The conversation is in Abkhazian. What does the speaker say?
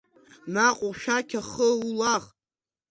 Наҟ ушәақь ахы улах.